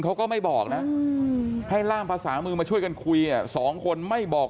เขาก็ไม่บอกนะให้ล่ามภาษามือมาช่วยกันคุยสองคนไม่บอก